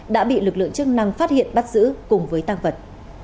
đã bị lực lượng chức năng phát hiện bắt giữ cùng với tăng vật